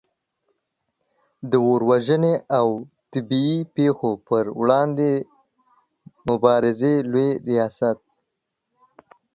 د اور وژنې او طبعې پیښو پر وړاندې د مبارزې لوي ریاست